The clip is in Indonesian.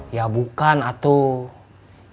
ya bukan atuh